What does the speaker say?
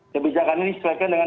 kebijakan ini sesuaikan dengan